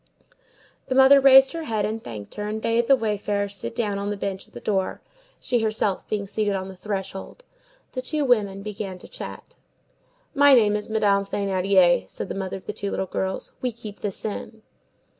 The mother raised her head and thanked her, and bade the wayfarer sit down on the bench at the door, she herself being seated on the threshold. The two women began to chat. "My name is Madame Thénardier," said the mother of the two little girls. "We keep this inn."